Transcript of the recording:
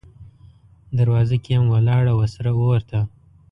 دروازه کې یم ولاړه، وه سره اور ته